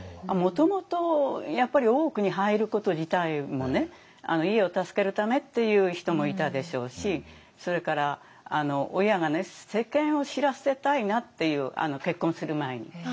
もともとやっぱり大奥に入ること自体も家を助けるためっていう人もいたでしょうしそれから親が世間を知らせたいなっていう結婚する前に。